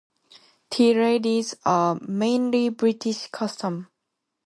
Tea ladies are a mainly British custom.